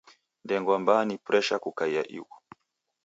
Ndengwa mbaa ni presha kukaia ighu.